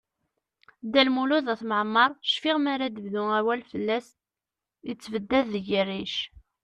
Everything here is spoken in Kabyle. Dda Lmud At Mɛemmeṛ, cfiɣ mi ara d-bdu awal fell-as, yettebdad deg-i rric.